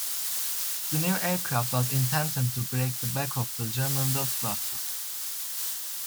The new aircraft was intended to break the back of the German Luftwaffe.